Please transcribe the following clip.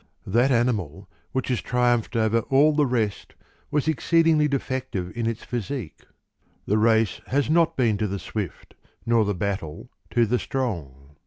That animal which has triumphed over all the rest was exceedingly defective in its physique. The race has not been to the swift, nor the battle to the strong.